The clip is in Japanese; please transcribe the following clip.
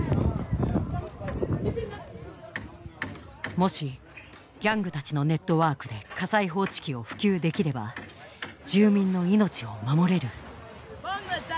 もしギャングたちのネットワークで火災報知器を普及できれば住民の命を守れる。